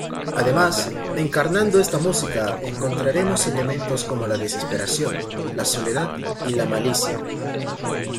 Además, encarnando esta música encontraremos elementos como la desesperación, la soledad y la malicia.